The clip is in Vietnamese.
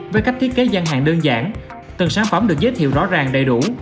với cách thiết kế gian hàng đơn giản từng sản phẩm được giới thiệu rõ ràng đầy đủ